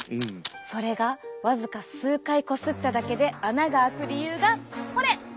それが僅か数回こすっただけで穴があく理由がこれ！